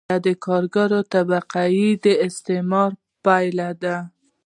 دا د کارګرې طبقې د استثمار پایله ده